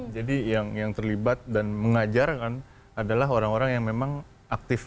jadi yang terlibat dan mengajar kan adalah orang orang yang memang aktif